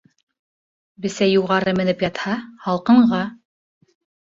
Бесәй юғары менеп ятһа, һалҡынға.